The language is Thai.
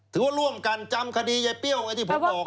ร่วมกันจำคดียายเปรี้ยวไอ้ที่ผมบอก